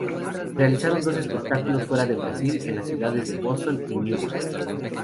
Realizaron dos espectáculos fuera de Brasil, en las ciudades de Boston y Newark.